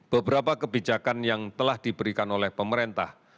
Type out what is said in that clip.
beberapa kebijakan yang telah diberikan oleh pemerintah